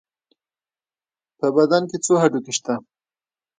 په بدن کې څو هډوکي شته؟